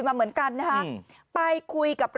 ไม่รู้อะไรกับใคร